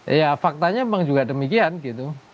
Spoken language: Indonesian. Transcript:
ya faktanya memang juga demikian gitu